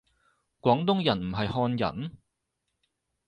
廣東人唔係漢人？